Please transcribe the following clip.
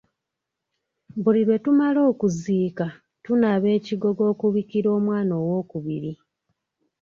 Buli lwe tumala okuziika tunaaba ekigogo okubikira omwana owookubiri.